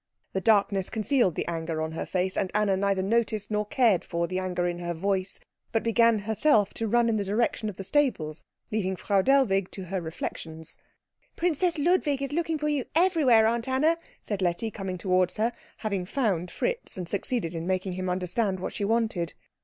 The darkness concealed the anger on her face, and Anna neither noticed nor cared for the anger in her voice, but began herself to run in the direction of the stables, leaving Frau Dellwig to her reflections. "Princess Ludwig is looking for you everywhere, Aunt Anna," said Letty, coming towards her, having found Fritz and succeeded in making him understand what she wanted.